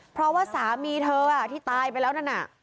เพราะว่าสามีเธอที่ตายไปแล้วนั่นน่ะ